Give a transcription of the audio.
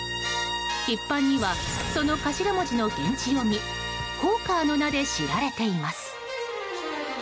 一般には、その頭文字の現地読みホーカーの名で知られています。